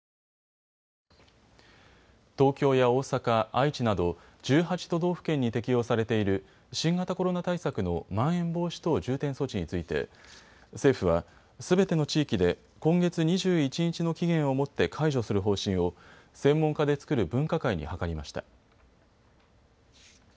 東京や大阪、愛知など１８都道府県に適用されている新型コロナ対策のまん延防止等重点措置について政府はすべての地域で今月２１日の期限をもって解除する方針を専門家で作る分科会に諮りました。